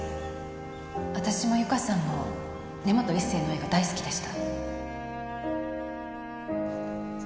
私もゆかさんも根本一成の絵が大好きでした。